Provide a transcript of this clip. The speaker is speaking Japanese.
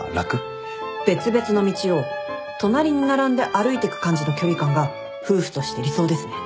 別々の道を隣に並んで歩いてく感じの距離感が夫婦として理想ですね。